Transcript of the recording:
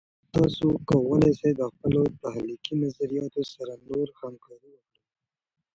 تاسې کولای سئ د خپلو تخلیقي نظریاتو سره نور همکارۍ وکړئ.